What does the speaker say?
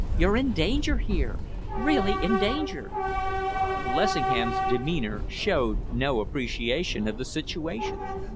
"You're in danger here really in danger!" Lessingham's demeanour showed no appreciation of the situation.